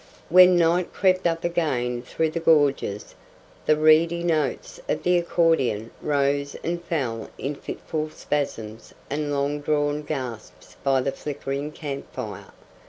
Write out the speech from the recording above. When night crept up again through the gorges, the reedy notes of the accordion rose and fell in fitful spasms and long drawn gasps by the flickering campfire.